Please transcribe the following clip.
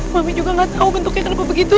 mami juga gak tahu bentuknya kenapa begitu